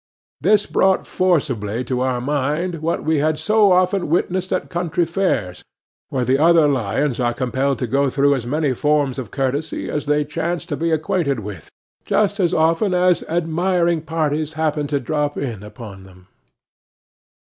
This brought forcibly to our mind what we had so often witnessed at country fairs, where the other lions are compelled to go through as many forms of courtesy as they chance to be acquainted with, just as often as admiring parties happen to drop in upon them.